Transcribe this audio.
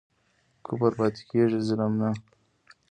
کفر پاتی کیږي ظلم نه